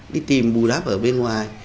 đi tìm bù đắp ở bên ngoài